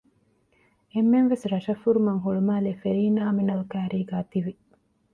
އެންމެންވެސް ރަށަށް ފުރުމަށް ހުޅުމާލޭ ފެރީ ނާމިނަލް ކައިރީގައި ތިވި